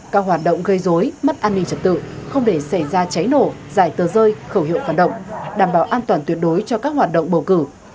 các hoạt động gây dối mất an ninh trật tự không để xảy ra cháy nổ giải tờ rơi khẩu hiệu phản động đảm bảo an toàn tuyệt đối cho các hoạt động bầu cử